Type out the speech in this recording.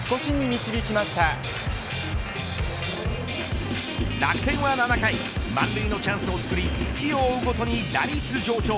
カード楽天は７回満塁のチャンスをつくり月を追うごとに打率上昇